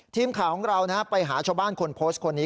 ทีมข่าวของเราไปหาชาวบ้านคนโพสต์คนนี้